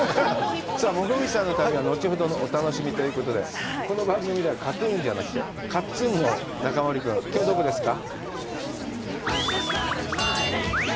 さあ、もこみちさんの旅は後ほどのお楽しみということで、この番組ではＫＡＴ−ＴＵＮじゃなくてＫＡＴ−ＴＵＮの中丸君、きょうはどこですか？